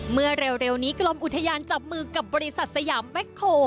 เมื่อเร็วนี้กรมอุทยานจับมือกับบริษัทสยามแบ็คโค